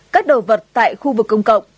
các đồ vật tại khu vực công cộng